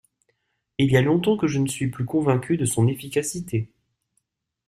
Il y a longtemps que je ne suis plus convaincu de son efficacité.